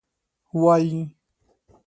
وایي.